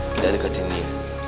kita deketin dia